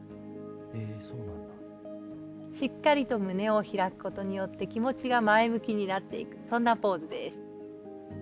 しっかりと胸を開くことによって気持ちが前向きになっていくそんなポーズです。